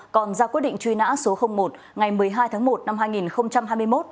còn ra quyết định truy nã số một ngày một mươi hai tháng một năm hai nghìn hai mươi một